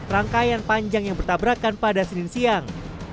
rangkaian panjang yang bertabrakan pada senin siang